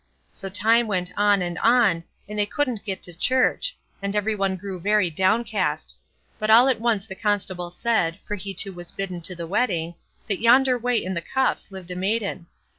So time went on and on, and they couldn't get to church, and every one grew very downcast. But all at once the Constable said, for he too was bidden to the wedding, that yonder away in the copse lived a maiden.